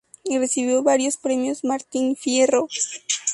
Recibió varios premios Martín Fierro